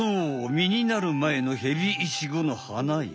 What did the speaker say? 実になるまえのヘビイチゴの花よ。